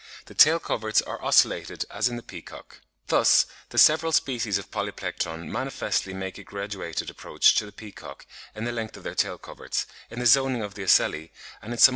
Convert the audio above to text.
The tail coverts are ocellated as in the peacock. Thus the several species of Polyplectron manifestly make a graduated approach to the peacock in the length of their tail coverts, in the zoning of the ocelli, and in some other characters.